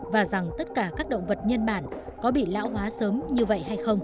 và rằng tất cả các động vật nhân bản có bị lão hóa